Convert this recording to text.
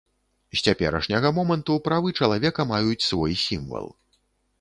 З цяперашняга моманту правы чалавека маюць свой сімвал.